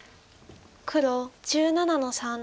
黒１７の三。